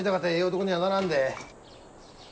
男にはならんで。